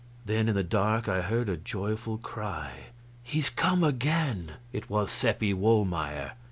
Then in the dark I heard a joyful cry: "He's come again!" It was Seppi Wohlmeyer.